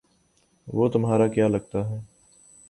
وہ تمہارا کیا لگتا ہے؟